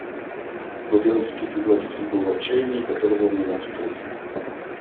Губернский предводитель был в отчаянии, которого он не мог скрыть.